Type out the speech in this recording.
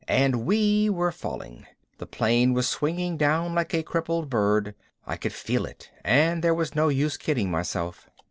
And we were falling, the plane was swinging down like a crippled bird I could feel it and there was no use kidding myself.